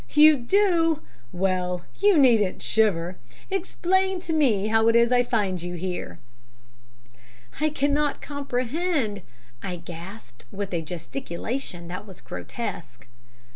You do! Well, you needn't shiver. Explain to me how it is I find you here.' "'I cannot comprehend,' I gasped with a gesticulation that was grotesque.